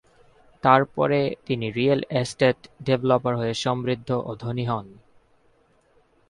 তারপরে তিনি real estate developer হয়ে সমৃদ্ধ ও ধনী হন।